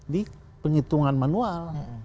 di penghitungan manual